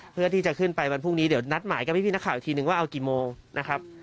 เพื่อที่จะขึ้นไปวันพรุ่งนี้เดี๋ยวนัดหมายกับพี่นักข่าวอีกทีนึงว่าเอากี่โมงนะครับ